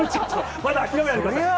まだ諦めないでください。